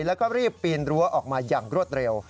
แล้วก็รีบปีนรั้วออกมาอย่างรวดเร็ว